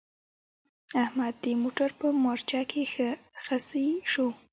احمد د موټر په مارچه کې ښه خصي شو.